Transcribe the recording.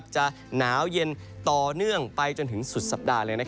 จะหนาวเย็นต่อเนื่องไปจนถึงสุดสัปดาห์เลย